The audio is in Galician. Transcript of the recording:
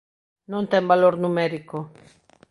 Non ten valor numérico.